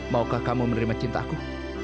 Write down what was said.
maukah kamu menerima cinta aku